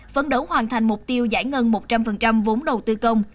phấn đấu hoàn thành mục tiêu giải ngân một trăm linh vốn đầu tư công